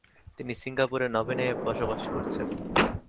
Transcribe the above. তিনি সিঙ্গাপুরের নভেনায় বসবাস করছেন।